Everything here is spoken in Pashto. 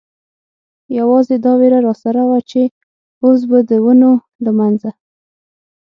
یوازې دا وېره را سره وه، چې اوس به د ونو له منځه.